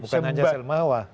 bukan hanya sel mewah